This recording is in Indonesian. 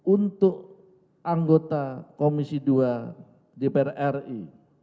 untuk anggota komisi dua dpr ri